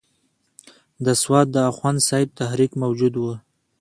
د سوات د اخوند صاحب تحریک موجود وو.